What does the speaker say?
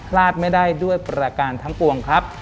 พลาดไม่ได้ด้วยประการทั้งปวงครับ